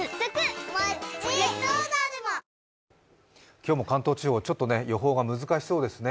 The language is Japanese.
今日も関東地方ちょっと予報が難しそうですね。